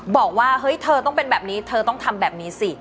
บอกว่าเฮ้ยเธอต้องเป็นแบบนี้เธอต้องทำแบบนี้สิ